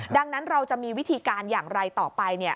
ดังนั้นเราจะมีวิธีการอย่างไรต่อไป